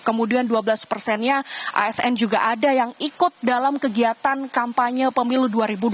kemudian dua belas persennya asn juga ada yang ikut dalam kegiatan kampanye pemilu dua ribu dua puluh